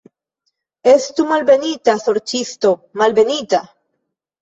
Estu malbenita, sorĉisto, malbenita.